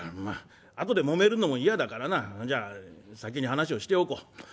まあ後でもめるのも嫌だからなじゃあ先に話をしておこう。